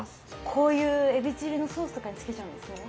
こういうえびチリのソースとかにつけちゃうんですよね？